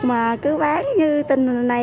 mà cứ bán như tình hình này